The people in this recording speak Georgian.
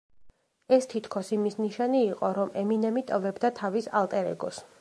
ეს თითქოს იმის ნიშანი იყო, რომ ემინემი ტოვებდა თავის ალტერ-ეგოს.